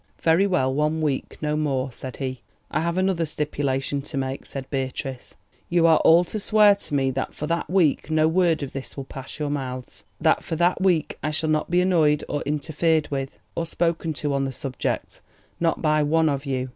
"Very well; one week, no more," said he. "I have another stipulation to make," said Beatrice, "You are all to swear to me that for that week no word of this will pass your mouths; that for that week I shall not be annoyed or interfered with, or spoken to on the subject, not by one of you.